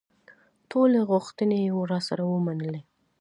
ټولې غوښتنې یې راسره ومنلې.